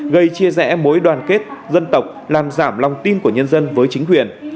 gây chia rẽ mối đoàn kết dân tộc làm giảm lòng tin của nhân dân với chính quyền